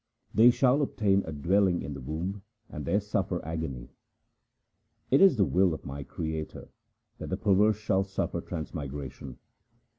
They shall obtain a dwelling in the womb, and there suffer agony. It is the will of my Creator that the perverse shall suffer transmigration.